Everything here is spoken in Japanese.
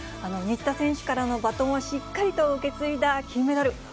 新田選手からのバトンをしっかりと受け継いだ金メダル。